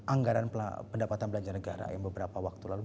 anggaran pendapatan belanja negara yang beberapa waktu lalu